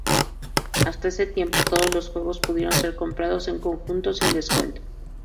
Hasta ese tiempo, todos los juegos pudieron ser comprados en conjunto, sin descuento.